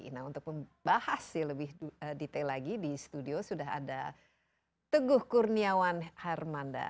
nah untuk membahas lebih detail lagi di studio sudah ada teguh kurniawan hermanda